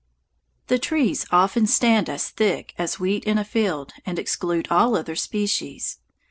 The trees often stand as thick as wheat in a field and exclude all other species.